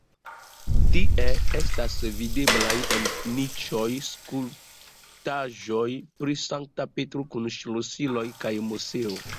Tie estas videblaj en niĉoj skulptaĵoj pri Sankta Petro kun ŝlosiloj kaj Moseo.